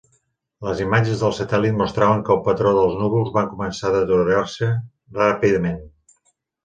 Les imatges del satèl·lit mostraven que el patró dels núvols va començar a deteriorar-se ràpidament.